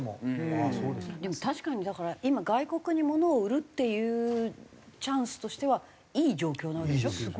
でも確かにだから今外国に物を売るっていうチャンスとしてはいい状況なわけでしょ？